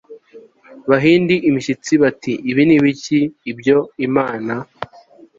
bahinda imishyitsi bati Ibi ni ibiki ibyo Imana